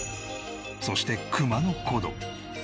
そして熊野古道。